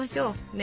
ね。